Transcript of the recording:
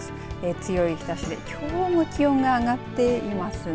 強い日ざしで、きょうも気温が上がっていますね。